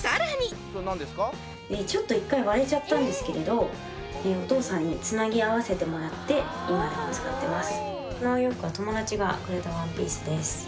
ちょっと一回割れちゃったんですけれどお父さんにつなぎ合わせてもらって今でも使ってます